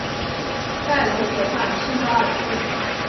盖隆河畔圣巴尔布。